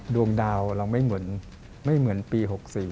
ดวงดาวเราไม่เหมือนปี๑๙๖๔